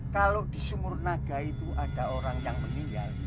kalau di sumur naga itu ada orang yang meninggal